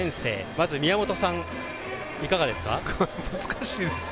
まず、宮本さん、いかがですか。